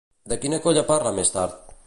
De quina colla parla més tard?